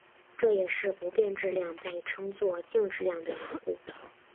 这也是不变质量也被称作静质量的缘故。